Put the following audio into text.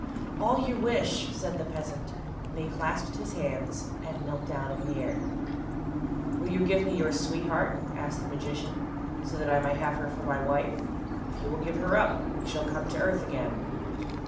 "All you wish," said the peasant, and he clasped his hands, and knelt down in the air. "Will you give me your sweetheart," asked the magician, "so that I may have her for my wife? If you will give her up, you shall come to earth again."